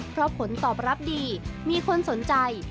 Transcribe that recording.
เพราะผลตอบรับดีมีคนสนใจ